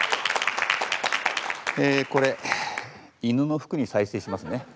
えこれ犬の服に再生しますね。